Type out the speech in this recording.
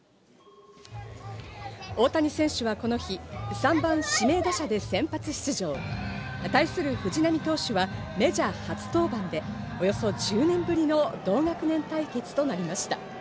大谷選手はこの日、３番指名打者で先発出場。対する藤浪投手はメジャー初登板で、およそ１０年ぶりの同学年対決となりました。